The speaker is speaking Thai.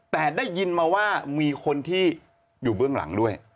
แต่ได้ยินมาว่ามีคนที่อยู่เบื้องหลังด้วย